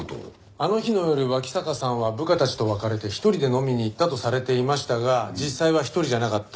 あの日の夜脇坂さんは部下たちと別れて１人で飲みに行ったとされていましたが実際は１人じゃなかった。